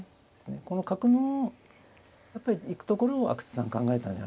この角のやっぱり行くところを阿久津さん考えたんじゃないですかね。